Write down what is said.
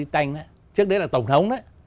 trước đấy là tổng thống đó